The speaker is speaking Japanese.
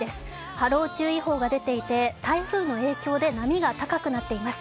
波浪注意報が出ていて台風の影響で波が高くなっています。